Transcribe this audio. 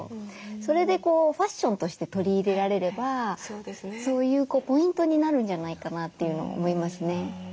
それでファッションとして取り入れられればそういうポイントになるんじゃないかなというのを思いますね。